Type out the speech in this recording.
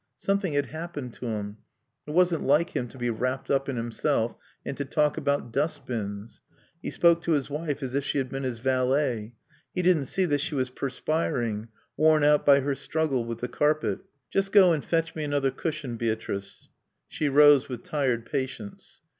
Something had happened to him. It wasn't like him to be wrapped up in himself and to talk about dustbins. He spoke to his wife as if she had been his valet. He didn't see that she was perspiring, worn out by her struggle with the carpet. "Just go and fetch me another cushion, Beatrice." She rose with tired patience.